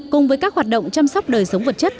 cùng với các hoạt động chăm sóc đời sống vật chất